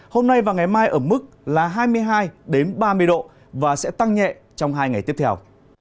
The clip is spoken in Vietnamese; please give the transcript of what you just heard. hôm nay và ngày mai ở mức là hai mươi hai ba mươi độ và sẽ tăng nhẹ trong hai ngày tiếp theo